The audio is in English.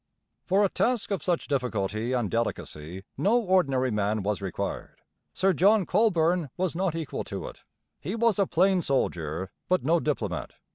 For a task of such difficulty and delicacy no ordinary man was required. Sir John Colborne was not equal to it; he was a plain soldier, but no diplomat.